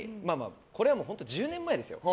これは本当１０年前ですよ。